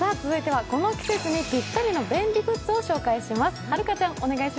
続いてはこの季節にぴったりの便利グッズを紹介します。